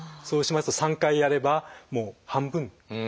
そうしますと３回やればもう半分。